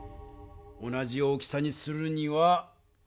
同じ大きさにするには。